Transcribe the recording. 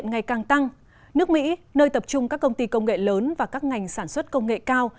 các ngành tập trung các công ty công nghệ lớn và các ngành sản xuất công nghệ cao